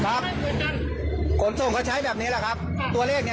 ครับไม่เหมือนกันขนส่งเขาใช้แบบนี้แหละครับตัวเลขเนี้ย